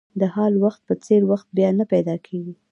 د حال وخت په څېر وخت بیا نه پیدا کېږي.